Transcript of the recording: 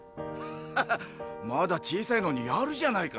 ハハッまだ小さいのにやるじゃないか！